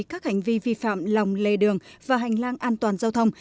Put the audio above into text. các hành vi vi phạm lòng lề đường và hành lang an toàn giao thông